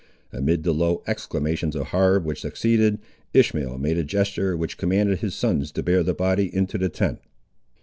Amid the low exclamations of horror which succeeded, Ishmael made a gesture which commanded his sons to bear the body into the tent.